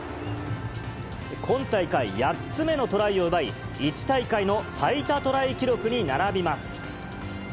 今大会８つ目のトライを奪い、１大会の最多トライ記録に並びます。